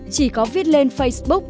chỉ có viết lên facebook